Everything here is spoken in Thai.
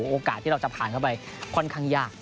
ก็จะติดตามเข้าไปค่อนข้างยาก